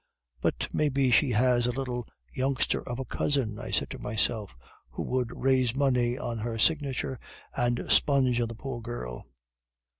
"'"But maybe she has a little youngster of a cousin," I said to myself, "who would raise money on her signature and sponge on the poor girl."